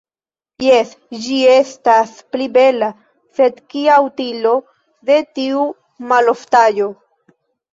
Jes, ĝi estas pli bela, sed kia utilo de tiu maloftaĵo.